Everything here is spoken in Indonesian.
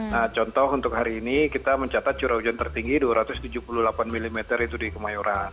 nah contoh untuk hari ini kita mencatat curah hujan tertinggi dua ratus tujuh puluh delapan mm itu di kemayoran